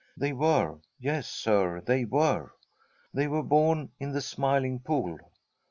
They were. Yes, Sir, they were. They were born in the Smiling Pool.